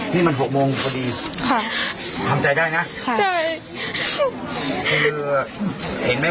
แต่น้อยแคร์ที่จะใส่เชื้อดำ